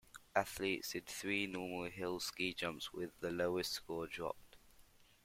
Athletes did three normal hill ski jumps, with the lowest score dropped.